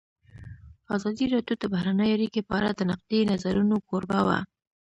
ازادي راډیو د بهرنۍ اړیکې په اړه د نقدي نظرونو کوربه وه.